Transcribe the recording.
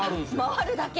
回るだけ。